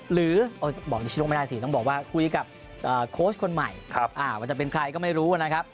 หรือบอกนิชโน่ไม่ได้สิต้องบอกว่าคุยกับโค้ชคนใหม่ว่าจะเป็นใครก็ไม่รู้นะครับ